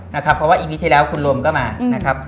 เพราะว่าอีพีคที่แล้วคุณรวมก็มานะครับ